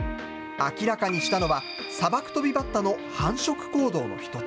明らかにしたのは、サバクトビバッタの繁殖行動の一つ。